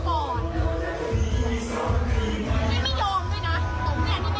ก็เสียความสิคะเขาเรียกทำไม